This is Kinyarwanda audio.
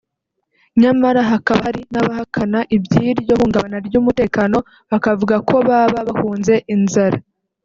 nyamara hakaba hari n’abahakana iby’iryo hungabana ry’umutekano bakavuga ko baba bahunze inzara